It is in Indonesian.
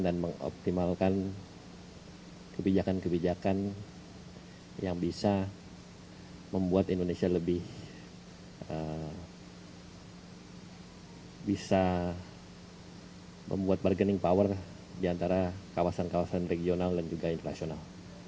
dan mengoptimalkan kebijakan kebijakan yang bisa membuat indonesia lebih bisa membuat bargaining power di antara kawasan kawasan regional dan juga internasional